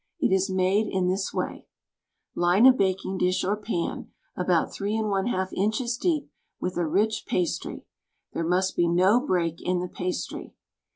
It is made in this way : Line a baking dish or pan, about three and one half inches deep, with a rich pastry. There must he no break in the pastry.